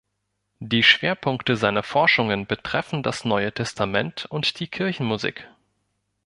Die Schwerpunkte seiner Forschungen betreffen das Neue Testament und die Kirchenmusik.